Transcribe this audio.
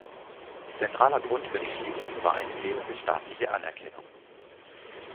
Zentraler Grund für die Schließung war eine fehlende staatliche Anerkennung.